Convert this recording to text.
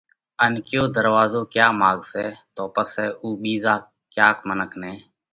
ان ڪيو ڌروازو ڪيا ماڳ سئہ تو پسئہ اُو ٻِيزا ڪياڪ منک نئہ